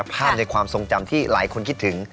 ภาพในความทรงจำที่หลายคนคิดถึง